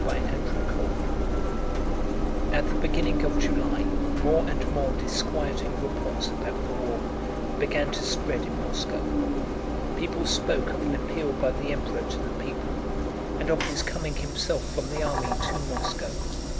CHAPTER XVIII At the beginning of July more and more disquieting reports about the war began to spread in Moscow; people spoke of an appeal by the Emperor to the people, and of his coming himself from the army to Moscow.